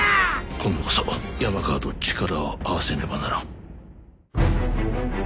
今度こそ山川と力を合わせねばならん。